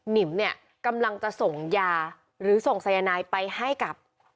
นิมเนี่ยกำลังจะส่งยาหรือส่งสายนายไปให้กับ